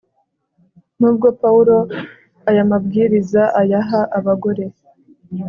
nubwo pawulo aya mabwiriza ayaha abagore